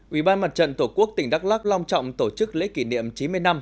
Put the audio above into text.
ủy ban mặt trận tổ quốc tỉnh đắk lắc long trọng tổ chức lễ kỷ niệm chín mươi năm